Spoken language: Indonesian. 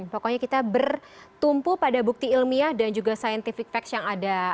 pokoknya kita bertumpu pada bukti ilmiah dan juga scientific fact yang ada